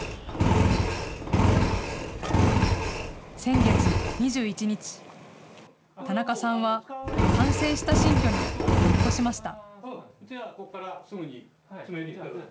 先月２１日、田中さんは完成した新居に引っ越しました。